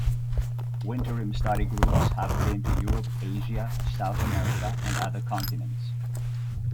Winterim study groups have been to Europe, Asia, South America and other continents.